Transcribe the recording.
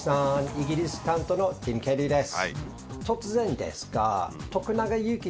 イギリス担当のティム・ケリーです。